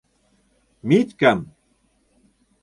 — Митькам!